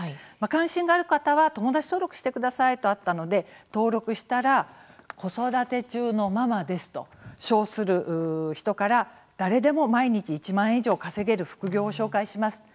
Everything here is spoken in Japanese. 関心のある方は友達登録してくださいとあったので登録したら子育て中のママですと称する人から誰でも毎日１万円以上稼げる副業を紹介します。